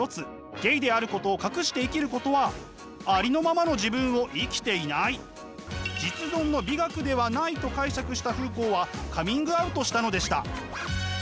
ゲイであることを隠して生きることはありのままの自分を生きていない実存の美学ではないと解釈したフーコーはカミングアウトしたのでした。